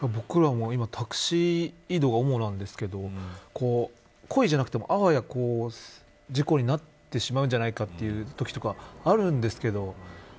僕らも今タクシー移動が主なんですけど故意じゃなくてもあわや事故になってしまうんじゃないかというときとかがあるんですけど。